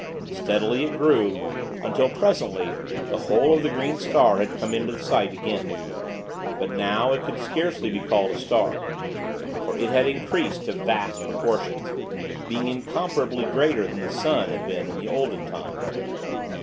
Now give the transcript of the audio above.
Steadily it grew, until, presently, the whole of the green star had come into sight again. But now, it could be scarcely called a star; for it had increased to vast proportions, being incomparably greater than the sun had been in the olden time.